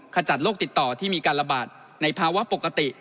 ขจัดโรคติดต่อที่มีการระบาดในภาวะปกติ